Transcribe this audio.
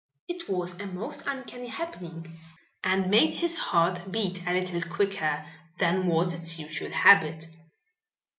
It was a most uncanny happening and made his heart beat a little quicker than was its usual habit.